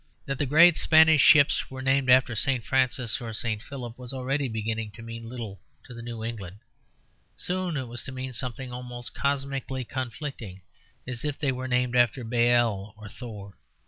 That the great Spanish ships were named after St. Francis or St. Philip was already beginning to mean little to the new England; soon it was to mean something almost cosmically conflicting, as if they were named after Baal or Thor.